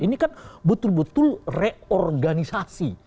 ini kan betul betul reorganisasi